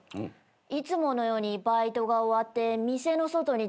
いつものようにバイトが終わって店の外に出た瞬間